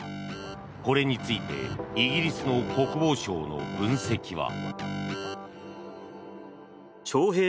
これについてイギリスの国防省の分析は。